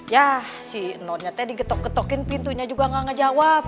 ya si nonenya teh digetok getokin pintunya juga nggak ngejawab